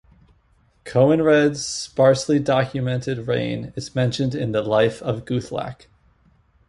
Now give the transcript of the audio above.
Coenred's sparsely documented reign is mentioned in the "Life of Guthlac".